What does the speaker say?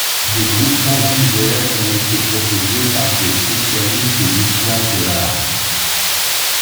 Des groupements divers ont été proposés par des spécialistes de l'histoire de l'art.